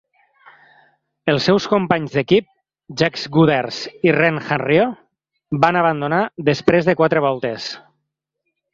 Els seus companys d'equip Jacques Guders i Rene Hanriot van abandonar després de quatre voltes.